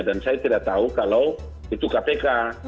dan saya tidak tahu kalau itu kpk